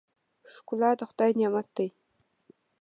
ښکلا د خدای نعمت دی.